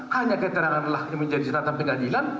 hanya keterangan lah yang menjadi serata pengadilan